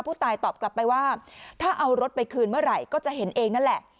ผู้ตายตอบกลับไปว่าถ้าเอารถไปคืนเมื่อไหร่ก็จะเห็นเองนั่นแหละ